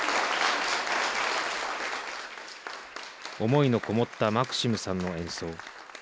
思いのこもったマクシムさんの演奏。